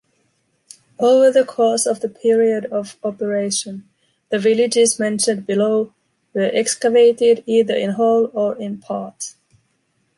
Over the course of the period of operation, the villages mentioned below were excavated either in whole or in part.